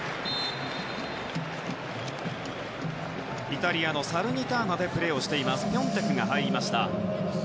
イタリアのサレルニターナでプレーしているピョンテクが入りました。